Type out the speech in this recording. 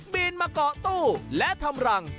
นมาเกาะตู้และทำรัง